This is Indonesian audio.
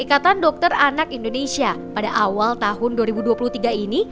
ikatan dokter anak indonesia pada awal tahun dua ribu dua puluh tiga ini